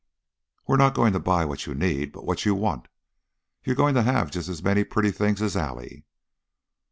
"We're not going to buy what you need, but what you want. You're going to have just as many pretty things as Allie."